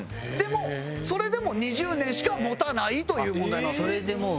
でもそれでも２０年しか持たないという問題なんです。